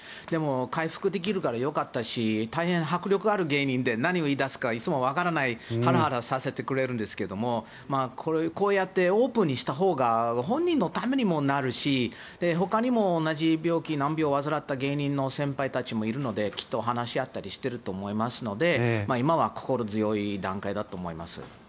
でも、回復できるからよかったし大変迫力ある芸人で何を言い出すかいつもわからないハラハラさせてくれるんですけどこうやってオープンにしたほうが本人のためにもなるしほかにも同じ病気難病を患った芸人の先輩もいるのできっと話し合ったりしていると思いますので今は心強い段階だと思います。